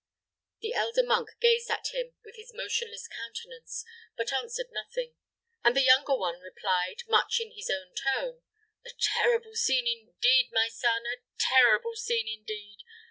The elder monk gazed at him with his motionless countenance, but answered nothing; and the younger one replied, much in his own tone, "A terrible scene, indeed, my son a terrible scene, indeed!